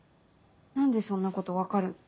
何でそんなこと分かるの。